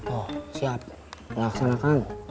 oh siap laksanakan